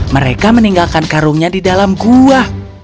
mereka meninggalkan karungnya di dalam gua